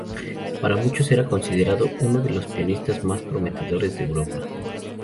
Para muchos era considerado uno de los pianistas más prometedores de Europa.